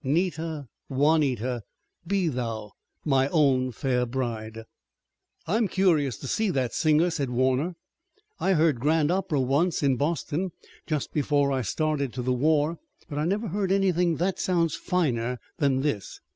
'Nita, Juanita! Be thou my own fair bride. "I'm curious to see that singer," said Warner. "I heard grand opera once in Boston, just before I started to the war, but I never heard anything that sounds finer than this.